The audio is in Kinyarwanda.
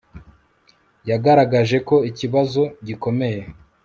Yagaragaje ko ikibazo gikomeye